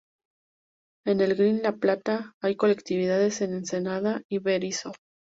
En el Gran La Plata, hay colectividades en Ensenada y Berisso.